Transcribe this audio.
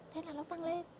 thế là nó tăng lên